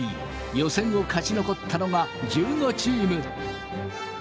予選を勝ち残ったのが１５チーム。